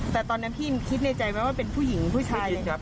แต่ตอนนั้นพี่คิดในใจไหมว่าเป็นผู้หญิงผู้ชาย